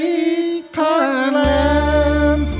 ที่ข้างแหลม